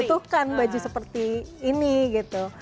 butuhkan baju seperti ini gitu